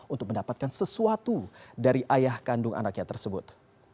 untuk mendapatkan sesuatu dari ayah kandung anaknya tersebut